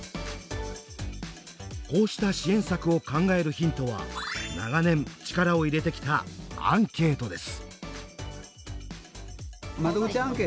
こうした支援策を考えるヒントは長年力を入れてきたアンケートです。